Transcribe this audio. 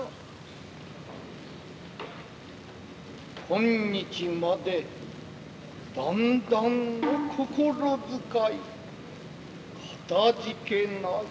今日までだんだんの心遣いかたじけない。